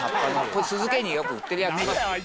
これ酢漬けによく売ってるやつ。